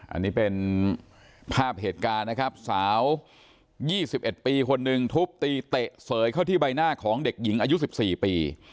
อันนี้เป็นภาพเหตุการณ์นะครับสาว๒๑ปีคนหนึ่งทุบตีเตะเสยเข้าที่ใบหน้าของเด็กหญิงอายุ๑๔ปี